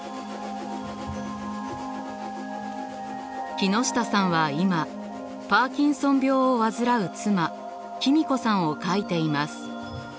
木下さんは今パーキンソン病を患う妻君子さんを描いています。